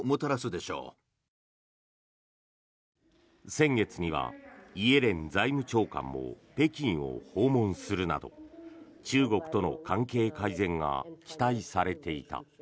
先月にはイエレン財務長官も北京を訪問するなど中国との関係改善が期待されていた。